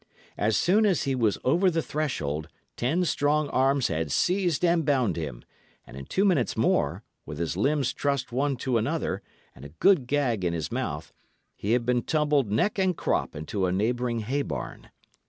As soon as he was over the threshold, ten strong arms had seized and bound him; and in two minutes more, with his limbs trussed one to another, and a good gag in his mouth, he had been tumbled neck and crop into a neighbouring hay barn.